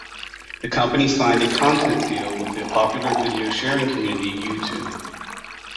The company signed a content deal with the popular video sharing community YouTube.